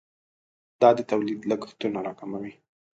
دا د تولید لګښتونه راکموي.